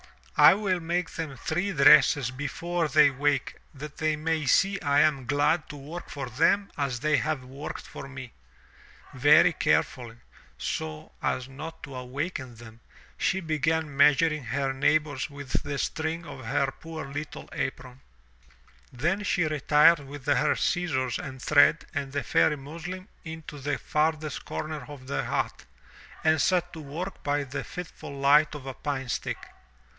I will make them three dresses before they wake that they may see I am glad to work for them as they have worked for me.'' Very carefully, so as not to awaken them, she began measuring her neighbors with the string of her poor little apron; then she retired with her scissors and thread and the fairy muslin into the 246 THROUGH FAIRY HALLS farthest comer of the hut, and set to work by the fitful light of a pine stick.